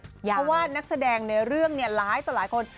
เพราะว่านักแสดงในเรื่องร้ายต่อหลายคน